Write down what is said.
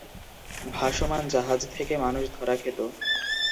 ভাসমান জাহাজ থেকে মানুষ ধরে খেত।